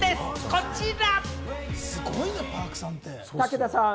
こちら！